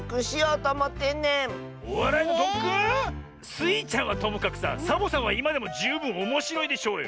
スイちゃんはともかくさサボさんはいまでもじゅうぶんおもしろいでしょうよ！